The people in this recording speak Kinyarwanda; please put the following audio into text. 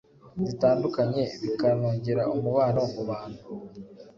zitandukanye bikanongera umubano mu bantu”.